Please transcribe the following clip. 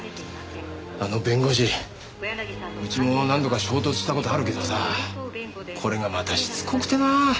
あの弁護士うちも何度か衝突した事あるけどさこれがまたしつこくてなあ。